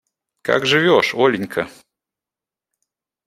Как живешь, Оленька?